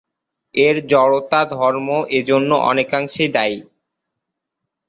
এর জড়তা ধর্ম এজন্য অনেকাংশেই দায়ী।